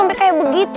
sampai kayak begitu